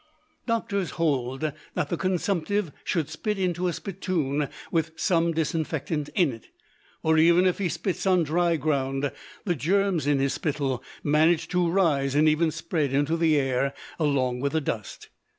Doctors hold that the consumptive should spit into a spittoon with some disinfectant in it: for, even if he spits on dry ground, the germs in his spittle manage to rise and spread into the air along with the dust.